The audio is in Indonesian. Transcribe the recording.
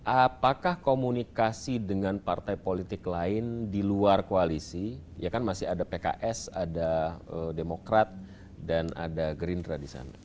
apakah komunikasi dengan partai politik lain di luar koalisi ya kan masih ada pks ada demokrat dan ada gerindra di sana